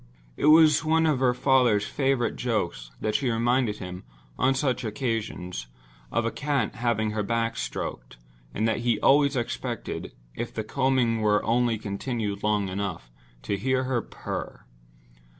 It was one of her father's favorite jokes that she reminded him, on such occasions, of a cat having her back stroked, and that he always expected, if the combing were only continued long enough, to hear her purr.